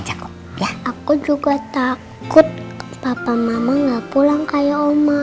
aku juga takut papa mama gak pulang kayak oma